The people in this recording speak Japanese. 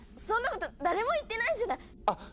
そそんなこと誰も言ってないじゃない。